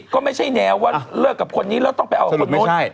ก็ไม่ใช่แนวว่าเลิกกับคนนี้แล้วต้องไปเอาคนนู้น